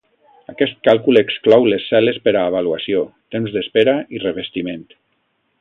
Aquest càlcul exclou les cel·les per a avaluació, temps d'espera i revestiment.